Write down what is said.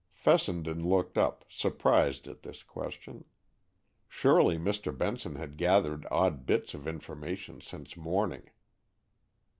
Fessenden looked up, surprised at this question. Surely Mr. Benson had gathered odd bits of information since morning.